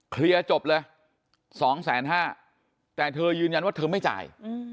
เคลียร์จบเลย๒๕๐๐บาทแต่เธอยืนยันว่าเธอไม่จ่าย